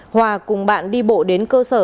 hòa cùng bạn đi bộ đến cơ sở